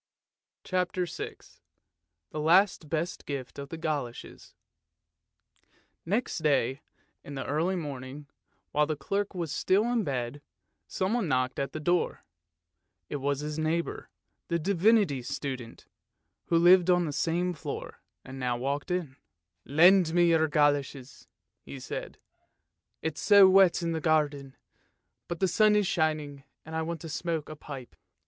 " CHAPTER VI THE LAST BEST GIFT OF THE GOLOSHES Next day in the early morning, while the clerk was still in bed, someone knocked at the door. It was his neighbour, the Divinity Student, who lived on the same floor, and now walked in. " Lend me your goloshes," he said, " it's so wet in the garden, but the sun is shining, and I want to smoke a pipe."